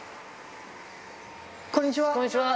こんにちは。